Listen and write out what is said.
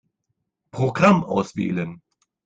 Programm auswählen.